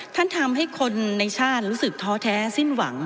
ทำให้คนในชาติรู้สึกท้อแท้สิ้นหวัง